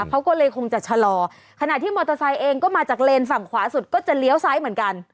เขาก็เลยคงจะชะลอขณะที่มอเตอร์ไซค์เองก็มาจากเลนฝั่งขวาสุดก็จะเลี้ยวซ้ายเหมือนกัน